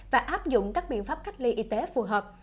và áp dụng các biện pháp cách ly y tế phù hợp